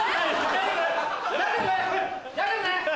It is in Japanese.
大丈夫ね？